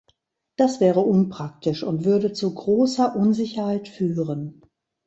Das wäre unpraktisch und würde zu großer Unsicherheit führen.